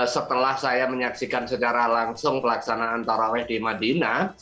setelah saya menyaksikan secara langsung pelaksanaan taraweh di madinah